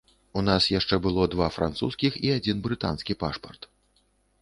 У нас яшчэ было два французскіх і адзін брытанскі пашпарт.